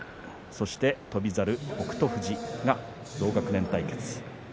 そして翔猿、北勝富士同学年対決です。